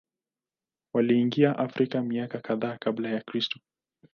Waliingia Afrika miaka kadhaa Kabla ya Kristo.